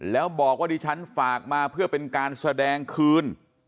แล้วบอกว่าดิฉันฝากมาเพื่อเป็นการแสดงคืน